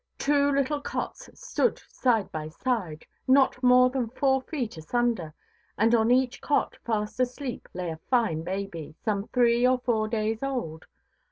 Two little cots stood side by side, not more than four feet asunder; and on each cot fast asleep lay a fine baby, some three or four days old.